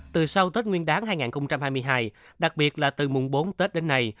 từ sau tết nguyên đáng hai nghìn hai mươi hai đặc biệt là từ mùng bốn tết đến nay